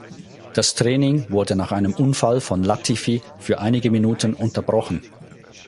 Das Training wurde nach einem Unfall von Latifi für einige Minuten unterbrochen.